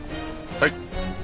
はい。